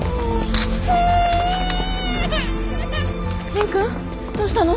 蓮くんどうしたの？